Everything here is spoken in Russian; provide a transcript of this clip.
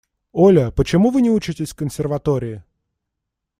Оля, почему вы не учитесь в консерватории?